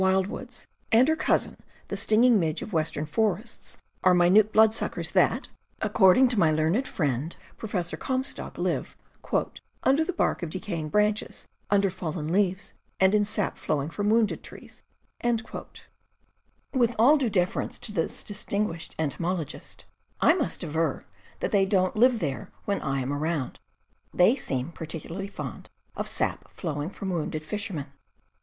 wildwoods, and her cousin the sting ing midge of western forests, are minute bloodsuckers that, according to my learned PESTS OF THE WOODS 175 friend Professor Comstock, live, "under the bark of decaying branches, under fallen leaves, and in sap flowing from wounded trees." With all due deference to this distinguished entomolo gist, I must aver that they don't live there when I am around; they seem particularly fond of sap flowing from wounded fishermen.